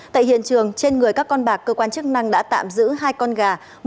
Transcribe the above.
tại hiện trường trên người các con bạc cơ quan chức năng đã tạm giữ hai con gà